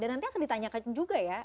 dan nanti akan ditanyakan juga ya